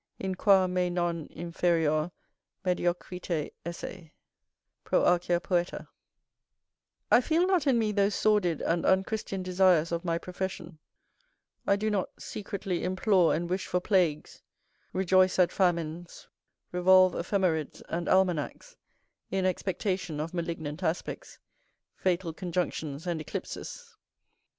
[Q] I feel not in me those sordid and unchristian desires of my profession; I do not secretly implore and wish for plagues, rejoice at famines, revolve ephemerides and almanacks in expectation of malignant aspects, fatal conjunctions, and eclipses.